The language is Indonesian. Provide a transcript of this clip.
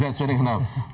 tidak sesuai dengan harapan